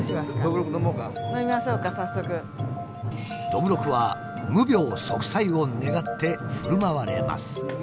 どぶろくは無病息災を願ってふるまわれます。